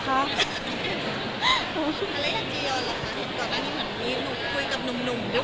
อย่างนี้เจียนกรัฟพี่อาร์เป็นใครนี่เหมือนพี่นุกคุยกับนุ่มด้วย